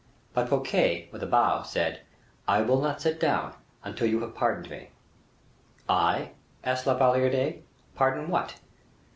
But Fouquet, with a bow, said, "I will not sit down until you have pardoned me." "I?" asked La Valliere, "pardon what?"